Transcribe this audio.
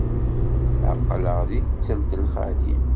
Aql-aɣ deg ttelt lxali.